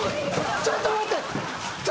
ちょっと待って！